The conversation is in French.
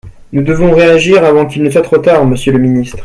Nous devons réagir avant qu’il ne soit trop tard, monsieur le ministre.